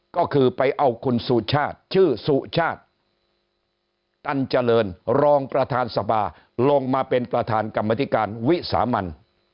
ก็คือไปเอาคุณสุชาติชื่อสุชาติตันเจริญรองประธานสภาลงมาเป็นประธานกรรมธิการวิสามัน